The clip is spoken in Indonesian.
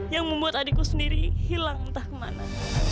yang membuat adikku sendiri hilang entah kemana